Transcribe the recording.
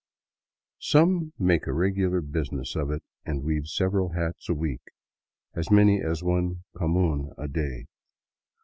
Some make a regular business of it and weave several hats a week, as many as one " comun " a day.